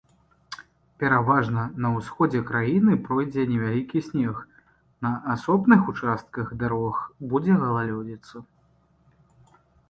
Пераважна на ўсходзе краіны пройдзе невялікі снег, на асобных участках дарог будзе галалёдзіца.